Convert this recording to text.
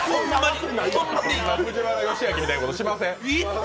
藤原喜明みたいなことしません。